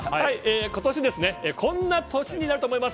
今年、こんな年になると思います。